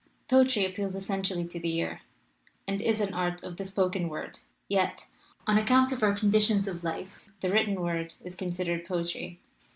Poetry appeals essentially to the ear, and is an art of the spoken word, yet, on account of our conditions of life, the written word is con sidered poetry.